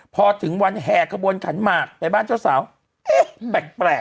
พอถึงวันแห่ขบวนขันหมากไปบ้านเจ้าสาวเอ๊ะแปลก